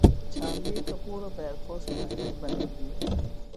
جھانوی کپور اب air force pilot بنیں گی